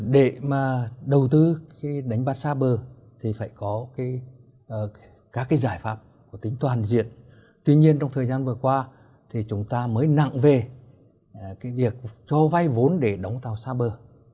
để đầu tư đánh bắt xa bờ thì phải có các giải pháp tính toàn diện tuy nhiên trong thời gian vừa qua thì chúng ta mới nặng về việc cho vay vốn để đóng tàu xa bờ